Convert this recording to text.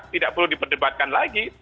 tidak perlu diperdebatkan lagi